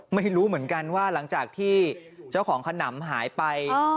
ไม่รู้เหมือนกันว่าหลังจากที่เจ้าของขนำหายไป